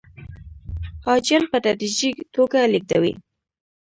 حاجیان په تدریجي توګه لېږدوي.